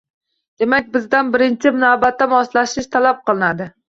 — Demak, bizdan birinchi navbatda moslashish talab qilinadi